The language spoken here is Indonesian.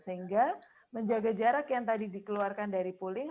sehingga menjaga jarak yang tadi dikeluarkan dari pulih